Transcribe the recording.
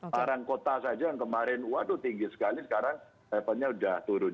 barang kota saja yang kemarin waduh tinggi sekali sekarang levelnya sudah turun